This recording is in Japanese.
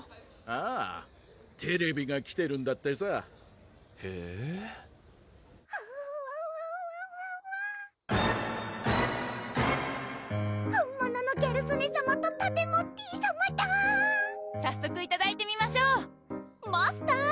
あぁテレビが来てるんだってさへぇはんわわわわ本物のギャル曽根さまとタテモッティさまだ早速いただいてみましょうマスター！